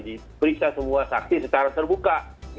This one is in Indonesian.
diperiksa semua saksi secara terbuka